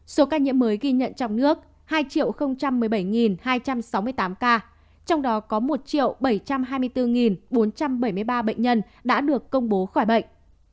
số ca nhiễm mới ghi nhận trong nước hai một mươi bảy hai trăm sáu mươi tám ca trong đó có một bảy trăm hai mươi bốn bốn trăm bảy mươi ba bệnh nhân đã được công bố khỏi bệnh